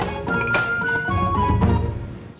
masih ada yang nangis